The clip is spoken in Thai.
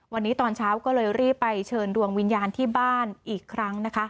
วันนี้ตอนเช้าก็เลยรีบไปเชิญดวงวิญญาณที่บ้านอีกครั้งนะคะ